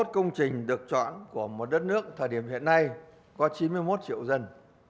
hai mươi một công trình được chọn của một đất nước thời điểm hiện nay có chín mươi một triệu dân